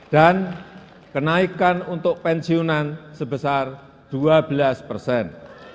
dan kenaikan untuk pensiunan sebesar dua belas persen